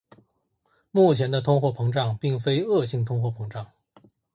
目前的通货膨胀并非恶性通货膨胀。